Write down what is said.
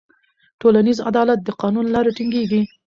ټولنیز عدالت د قانون له لارې ټینګېږي.